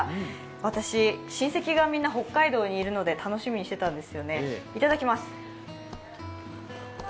私、親戚がみんな北海道にいるので楽しみにしてたんですよね、いただきます。